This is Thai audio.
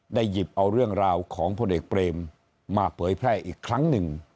หยิบเอาเรื่องราวของพลเอกเปรมมาเผยแพร่อีกครั้งหนึ่ง